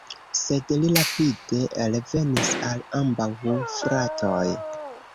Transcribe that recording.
Sed li rapide revenis al ambaŭ fratoj.